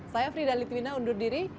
saya frida litwina undur diri